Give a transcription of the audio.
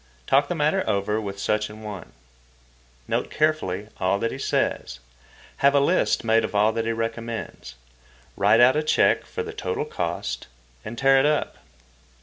Talk the matter over with such an one. Note carefully all that he says. Have a list made of all that he recommends. Write out a cheque for the total cost, and tear it up.